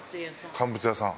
乾物屋さん？